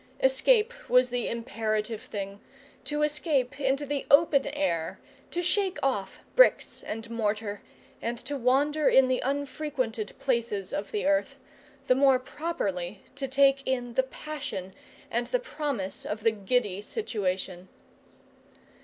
Escape was the imperative thing to escape into the open air, to shake off bricks and mortar, and to wander in the unfrequented places of the earth, the more properly to take in the passion and the promise of the giddy situation.